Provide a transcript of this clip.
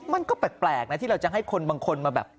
มันก็แปลกนะที่เราจะให้คนบางคนมาแบบ